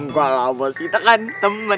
gak lah bos kita kan temen